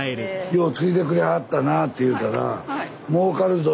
「よう継いでくれはったな」って言うたら「『もうかるぞ！』